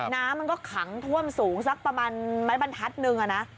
น้ำมันก็ขังท่วมสูงสักประมาณไม้บรรทัศนึงอะนะ